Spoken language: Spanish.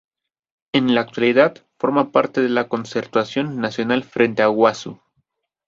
En la actualidad, forma parte de la Concertación Nacional Frente Guasú.